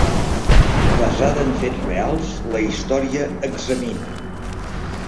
Basada en fets reals, la història examina.